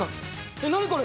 えっ何これ？